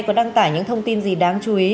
và đăng tải những thông tin gì đáng chú ý